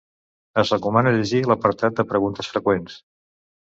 Es recomana llegir l'apartat de preguntes freqüents.